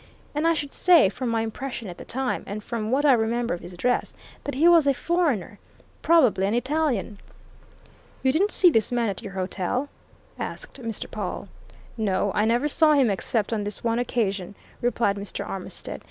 And I should say, from my impression at the time, and from what I remember of his dress, that he was a foreigner probably an Italian." "You didn't see this man at your hotel?" asked Mr. Pawle. "No I never saw him except on this one occasion," replied Mr. Armitstead.